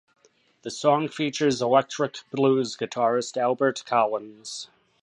The song features electric blues guitarist Albert Collins.